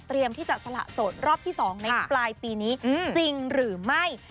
เตรียมที่จะสละสนรอบที่สองในปลายปีนี้จริงหรือไม่